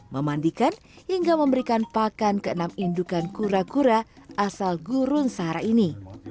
memandikan hingga memberikan pakan ke enam indukan kura kura asal gurun sahara ini